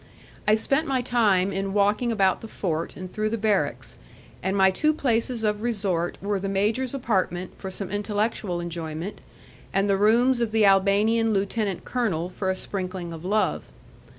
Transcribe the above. I spent my time in walking about the fort and through the barracks, and my two places of resort were the major's apartment for some intellectual enjoyment, and the rooms of the Albanian lieutenant colonel for a sprinkling of love.